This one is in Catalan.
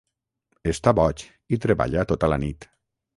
Està boig i treballa tota la nit.